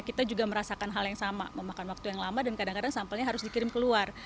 kita juga merasakan hal yang sama memakan waktu yang lama dan kadang kadang sampelnya harus dikirim keluar